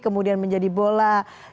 kemudian menjadi bola